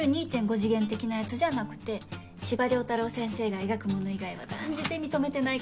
次元的なやつじゃなくて司馬太郎先生が描くもの以外は断じて認めてないから。